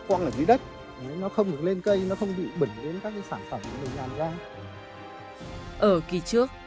ở kỳ trước